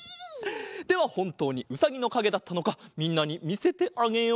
ではほんとうにうさぎのかげだったのかみんなにみせてあげよう。